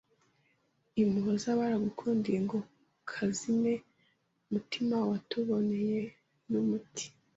I Muhoza baragukundiye ngo kazime mutima watuboneye n’umuti